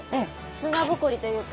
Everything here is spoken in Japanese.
砂ぼこりというか。